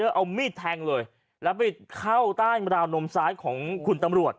เอามีดแทงเลยแล้วไปเข้าใต้ราวนมซ้ายของคุณตำรวจ